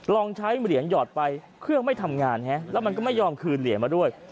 ลองใช้เหรียญหยอดไปเครื่องไม่ทำงานแล้วมันก็ไม่ยอมคืนเหรียญมาด้วย